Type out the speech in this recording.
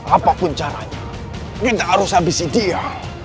apapun caranya kita harus habisi dia